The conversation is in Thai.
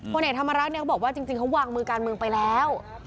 เอกธรรมรัฐเนี่ยเขาบอกว่าจริงเขาวางมือการเมืองไปแล้ว